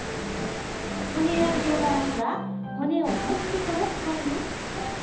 骨ありの場合は骨を取ってから使います。